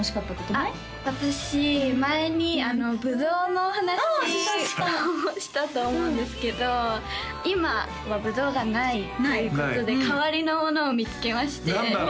あっ私前にブドウの話をしたと思うんですけど今はブドウがないということで代わりのものを見つけまして何だろう？